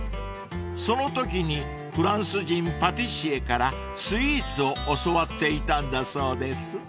［そのときにフランス人パティシエからスイーツを教わっていたんだそうです］